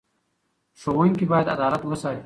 ښوونکي باید عدالت وساتي.